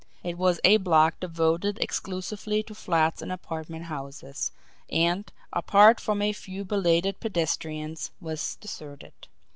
It was a block devoted exclusively to flats and apartment houses, and, apart from a few belated pedestrians, was deserted.